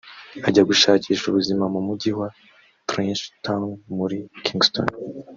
ajya gushakisha ubuzima mu mujyi wa ‘Trenchtown’ muri ‘Kingston’